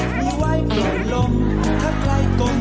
ป่าวค่ะ